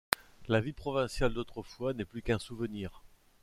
La vie provinciale d'autrefois n'est plus qu'un souvenir.